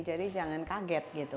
jadi jangan kaget gitu